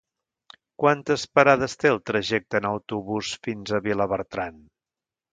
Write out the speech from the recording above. Quantes parades té el trajecte en autobús fins a Vilabertran?